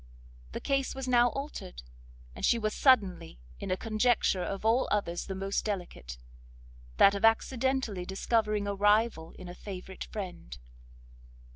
The case was now altered; and she was suddenly in a conjuncture of all others the most delicate, that of accidentally discovering a rival in a favourite friend.